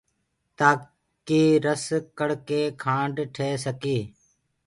تآکي رس ڪڙ ڪي کآنڊ ٺي سڪي۔